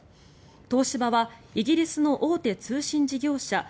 東芝はイギリスの大手通信事業者